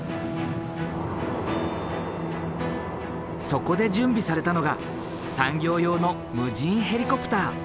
そこで準備されたのが産業用の無人ヘリコプター。